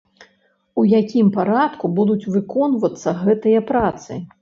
У якім парадку будуць выконвацца гэтыя працы?